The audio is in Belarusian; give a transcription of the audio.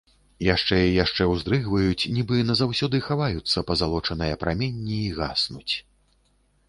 Яшчэ і яшчэ ўздрыгваюць, нібы назаўсёды хаваюцца пазалочаныя праменні і гаснуць.